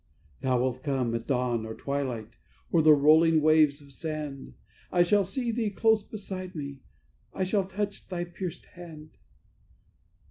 "Thou wilt come, at dawn or twilight, o'er the rolling waves of sand; I shall see Thee close beside me, I shall touch Thy pierced hand.